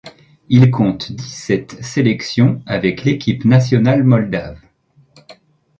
Il compte dix-sept sélections avec l'équipe nationale moldave.